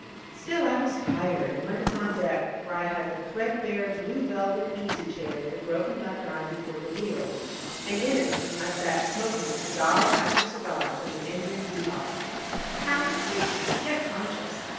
Still I was tired, and went upon deck, where I had the threadbare blue velvet easy chair with the broken left arm before the wheel, and in it sat smoking cigar after cigar from the Indian D box, half asleep, yet conscious.